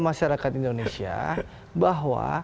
masyarakat indonesia bahwa